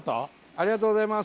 ありがとうございます。